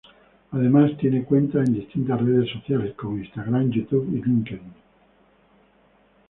Además, tiene cuentas en distintas redes sociales, como Instagram, Youtube y Linkedin.